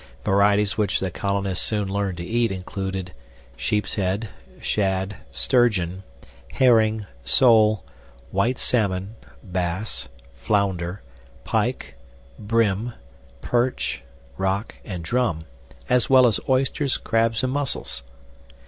Varieties which the colonists soon learned to eat included sheepshead, shad, sturgeon, herring, sole, white salmon, bass, flounder, pike, bream, perch, rock, and drum, as well as oysters, crabs, and mussels.